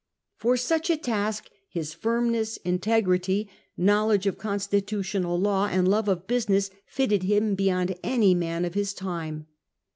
For such a task his firmness, integrity, know ledge of constitutional law, and love of business, fitted him beyond any man of his time.